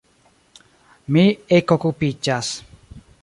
Mi ekokupiĝas.